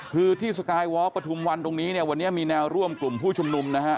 คือที่สกายวอล์ปฐุมวันตรงนี้เนี่ยวันนี้มีแนวร่วมกลุ่มผู้ชุมนุมนะฮะ